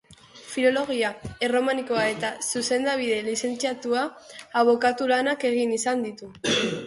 Filologia Erromanikoa eta Zuzenbidean lizentziatua, abokatu lanak egin izan ditu.